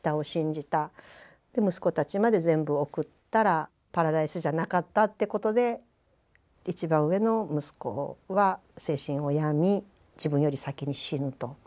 息子たちまで全部送ったらパラダイスじゃなかったってことで一番上の息子は精神を病み自分より先に死ぬと。